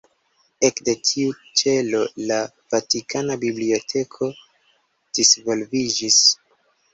Ekde tiu ĉelo la Vatikana Biblioteko disvolviĝis.